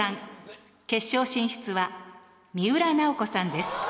決勝進出は三浦奈保子さんです。